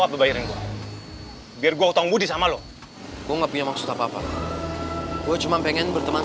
apa bayar yang gua biar gua utang budi sama lo gua nggak punya maksud apa apa gue cuma pengen berteman